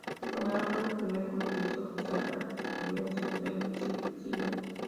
Su funeral fue el primer compromiso oficial al que su familia asistió en Sicilia.